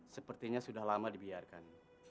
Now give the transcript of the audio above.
sepertinya sudah lama dibiarkan